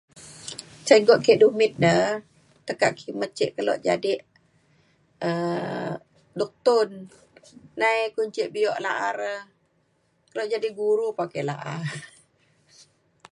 Cikgu ke dumit da tekak kimet ce kelo jadek um duktun. Nai kun ce bio la’a re kelo jadek guru pa ake la’a.